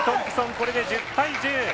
これで１０対１０。